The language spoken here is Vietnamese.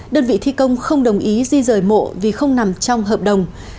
đơn vị thi công không đồng ý di rời mộ vì không nằm trong hợp đồng